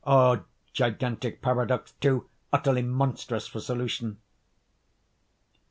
Oh, gigantic paradox, too utterly monstrous for solution!